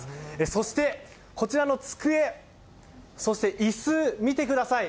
そして、こちらの机椅子見てください。